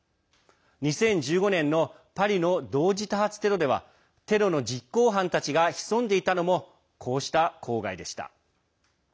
２０１５年のパリの同時多発テロではテロの実行犯たちが潜んでいたのもこうした郊外でした。